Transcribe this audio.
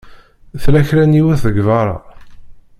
Tella kra n yiwet deg beṛṛa.